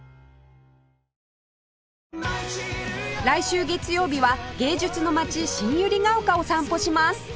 来週月曜日は芸術の街新百合ヶ丘を散歩します